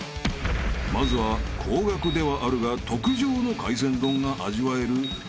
［まずは高額ではあるが特上の海鮮丼が味わえる入札額